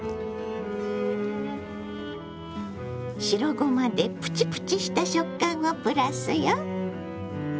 白ごまでプチプチした食感をプラスよ。